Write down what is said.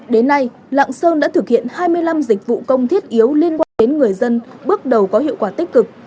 đến nay lạng sơn đã thực hiện hai mươi năm dịch vụ công thiết yếu liên quan đến người dân bước đầu có hiệu quả tích cực